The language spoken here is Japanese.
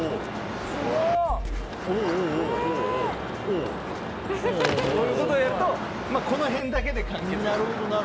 すごい！こういうことをやるとこの辺だけで完結する。